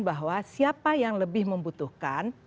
bahwa siapa yang lebih membutuhkan